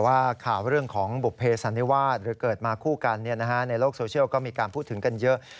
ว่าเกิดมาคู่กันในโลกโซเชียลก็มีการพูดถึงกันเยอะ